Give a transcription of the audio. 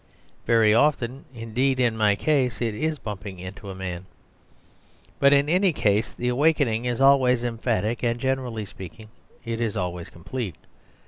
Very often indeed (in my case) it is bumping into a man. But in any case the awakening is always emphatic and, generally speaking, it is always complete.